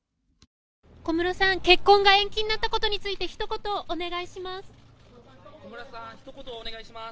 小室さん、結婚が延期になったことについて、ひと言お願いします。